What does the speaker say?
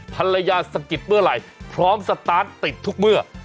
สะกิดเมื่อไหร่พร้อมสตาร์ทติดทุกเมื่อ